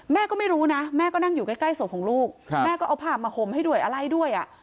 แม่ก็ไม่รู้นะแม่ก็นั่งอยู่ใกล้ศพของลูกแม่ก็เอาผ้ามาห่มให้ด้วยอะไรด้วยอ่ะ